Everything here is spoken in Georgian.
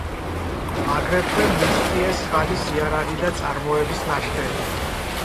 აგრეთვე მუსტიეს ხანის იარაღი და წარმოების ნაშთები.